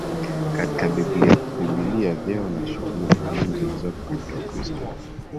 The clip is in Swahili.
katika Biblia Vyeo na shughuli maalumu zilizopo katika Ukristo leo